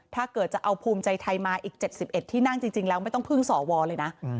ถ้าเกิดจะเอาภูมิใจไทยมาอีก๗๑ที่นั่งจริงแล้วไม่ต้องพึ่งสวเลยนะ